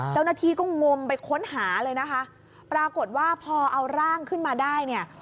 เจ้าหน้าที่ก็งมไปค้นหาเลยนะคะปรากฏว่าพอเอาร่างขึ้นมาได้เนี่ย